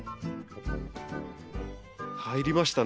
入りましたね。